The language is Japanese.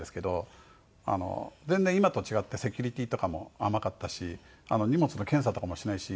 全然今と違ってセキュリティーとかも甘かったし荷物の検査とかもしないし。